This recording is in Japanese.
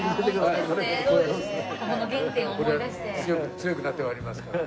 強くなって参りますから。